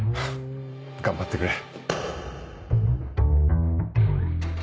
頑張ってくれ。